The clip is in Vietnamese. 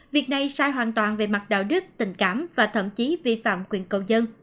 việc này sai hoàn toàn về mặt đạo đức tình cảm và thậm chí vi phạm quyền cầu dân